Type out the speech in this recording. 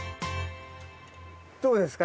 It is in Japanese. どうですか？